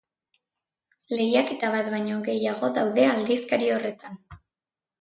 Lehiaketa bat baino gehiago daude aldizkari horretan.